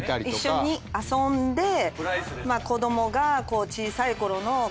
一緒に遊んで子供が小さいころ